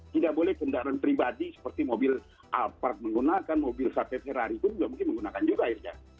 tidak boleh kendaraan pribadi seperti mobil alphard menggunakan mobil satelit ferrari pun mungkin juga menggunakan akhirnya